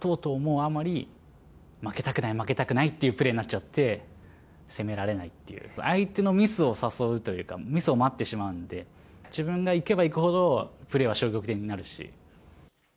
あまり、負けたくない、負けたくないっていうプレーになっちゃって、攻められないっていう、相手のミスを誘うというか、ミスを待ってしまうので、自分がいけばいくほど、プレーは消極的になるし。